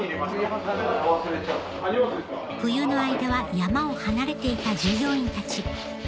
冬の間は山を離れていた従業員たち